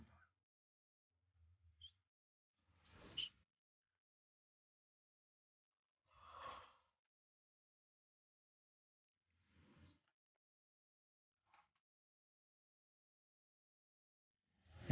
assalamualaikum warahmatullahi wabarakatuh